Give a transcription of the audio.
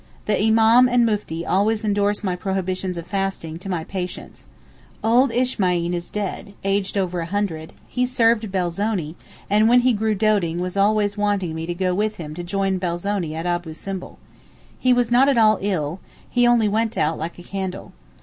The Imaam and Mufti always endorse my prohibitions of fasting to my patients. Old Ismaeen is dead, aged over a hundred; he served Belzoni, and when he grew doting was always wanting me to go with him to join Belzoni at Abu Simbel. He was not at all ill—he only went out like a candle.